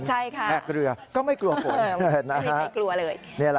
ใช่ค่ะไม่กลัวเลย